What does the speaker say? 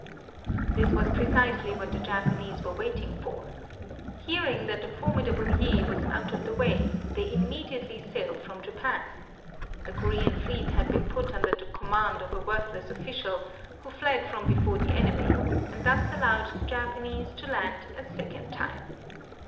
This was precisely what the Japanese were waiting for. Hearing that the formidable Yi was out of the way, they immediately sailed from Japan. The Korean fleet had been put under the command of a worth less official, who fled from before the enemy, and thus allowed the Japanese to land a second time.